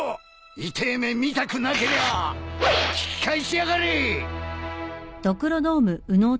痛え目見たくなけりゃあ引き返しやがれ！